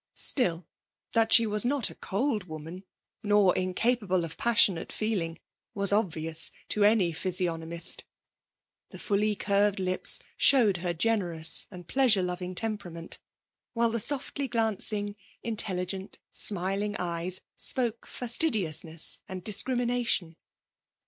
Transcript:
Still, that she was not a cold woman, not incapable of passionate feeling, was obvious to any physiognomist; the fully curved lips showed her generous and pleasure loving temperament, while the softly glancing, intelligent, smiling eyes spoke fastidiousness and discrimination.